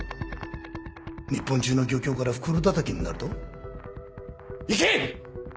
日本中の漁協から袋だたきんなるどいけん！